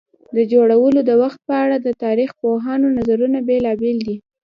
د جوړولو د وخت په اړه د تاریخ پوهانو نظرونه بېلابېل دي.